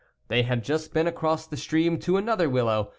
They had just been across the stream to another willow.